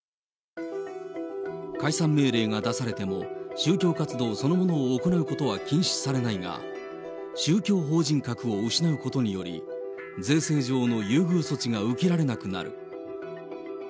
解散命令が出されても、宗教活動そのものを行うことは禁止されないが、宗教法人格を失うことにより、税制上の優遇措置が受けられなくなる。